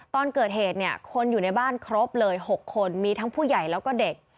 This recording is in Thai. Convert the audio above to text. ตอนเกิดเหตุเนี่ยคนอยู่ในบ้านครบเลย๖คนมีทั้งผู้ใหญ่แล้วก็เด็ก